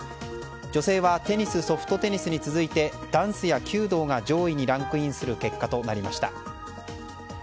女性はテニス・ソフトテニスに続いてダンスや弓道が上位にランクインする結果となりました。